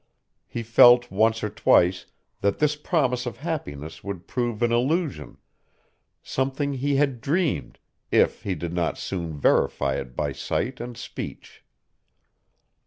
He felt once or twice that this promise of happiness would prove an illusion, something he had dreamed, if he did not soon verify it by sight and speech.